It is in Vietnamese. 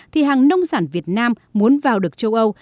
thì hàng nông sản việt nam muốn vào được châu âu